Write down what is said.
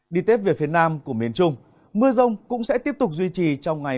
đi tiếp về phía nam của miền trung mưa rông cũng sẽ tiếp tục duy trì trong ngày một mươi năm